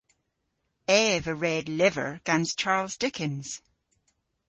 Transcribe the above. Ev a red lyver gans Charles Dickens.